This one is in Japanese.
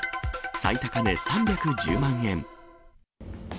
最高値３１０万円。